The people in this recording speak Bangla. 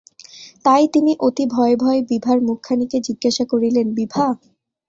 তাই তিনি অতি ভয়ে ভয়ে বিভার মুখখানিকে জিজ্ঞাসা করিলেন, বিভা?